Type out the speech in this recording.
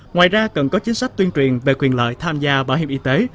ngoài ra cần có chính sách tuyên truyền về quyền lợi tham gia bảo hiểm y tế